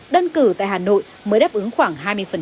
đơn cử tại hà nội mới đáp ứng khoảng hai mươi